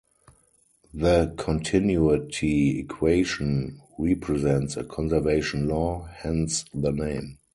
The continuity equation represents a conservation law, hence the name.